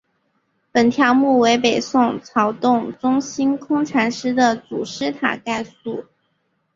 本条目为北宋曹洞宗心空禅师的祖师塔概述。